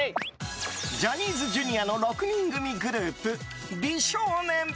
ジャニーズＪｒ．の６人組グループ、美少年。